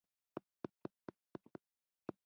غیر فعال اوسېدل ساده او خطرناک دي